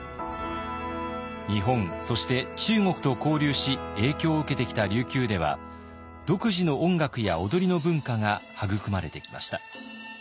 日本そして中国と交流し影響を受けてきた琉球では独自の音楽や踊りの文化が育まれてきました。